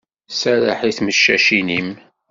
Serreḥ i tmeccacin-im.